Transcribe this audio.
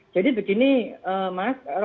jadi begini mas